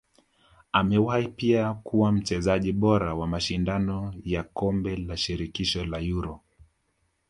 Amewahi pia kuwa mchezaji bora wa mashindano ya kombe la shirikisho la Euro